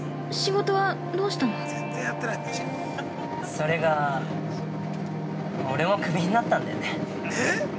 ◆それが、俺もクビになったんだよね。